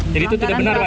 jadi itu tidak benar pak